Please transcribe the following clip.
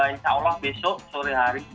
insya allah besok sore hari